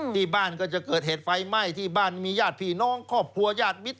ที่บ้านก็จะเกิดเหตุไฟไหม้ที่บ้านมีญาติพี่น้องครอบครัวญาติมิตร